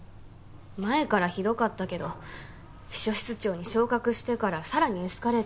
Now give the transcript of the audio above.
前からひどかったけど秘書室長に昇格してからさらにエスカレートして。